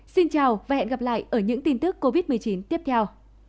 xin chào và hẹn gặp lại ở những tin tức covid một mươi chín tiếp theo